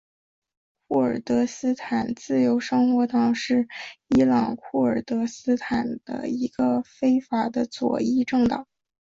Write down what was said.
库尔德斯坦自由生活党是伊朗库尔德斯坦的一个非法的左翼政党。